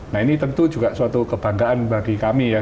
nah ini tentu juga suatu kebanggaan bagi kami ya